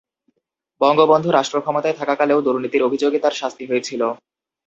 বঙ্গবন্ধু রাষ্ট্রক্ষমতায় থাকাকালেও দুর্নীতির অভিযোগে তাঁর শাস্তি হয়েছিল।